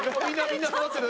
みんなそろってる。